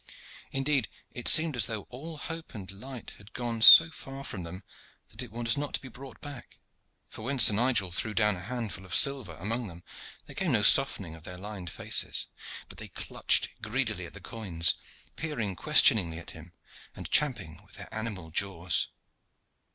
Indeed, it seemed as though all hope and light had gone so far from them that it was not to be brought back; for when Sir Nigel threw down a handful of silver among them there came no softening of their lined faces, but they clutched greedily at the coins, peering questioningly at him, and champing with their animal jaws.